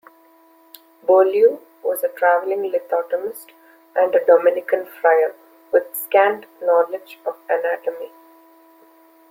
Beaulieu was a travelling lithotomist and a Dominican Friar, with scant knowledge of anatomy.